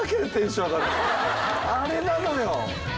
あれなのよ。